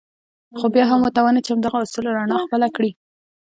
خو بيا هم وتوانېد چې د همدغو اصولو رڼا خپله کړي.